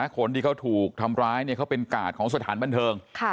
คนที่เขาถูกทำร้ายเขาเป็นกาดของสถานบันเทิง